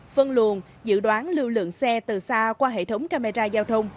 phân luồn dự đoán lưu lượng xe từ xa qua hệ thống camera giao thông